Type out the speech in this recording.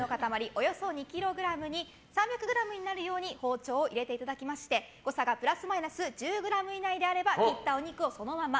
およそ２ｋｇに３００ｇになるよう包丁を入れていただきまして誤差プラスマイナス１０ｇ以内であれば切ったお肉をそのまま。